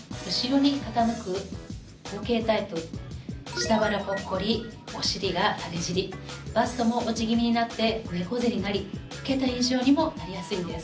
下腹ポッコリお尻が垂れ尻バストも落ち気味になって猫背になり老けた印象にもなりやすいんです。